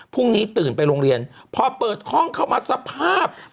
พรุ่งนี้ตื่นไปโรงเรียนพอเปิดห้องเข้ามาสภาพ